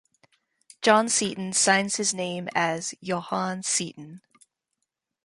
John Seton signs his name as "Johan Seton".